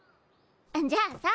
じゃあさ